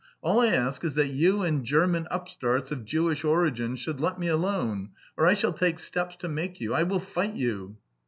All I ask is that you and German upstarts of Jewish origin should let me alone! Or I shall take steps to make you! I will fight you!"